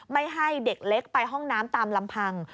ไม่ให้เด็กเล็กไปห้องน้ำตามลำพัง